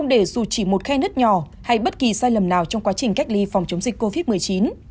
để dù chỉ một khe nứt nhỏ hay bất kỳ sai lầm nào trong quá trình cách ly phòng chống dịch covid một mươi chín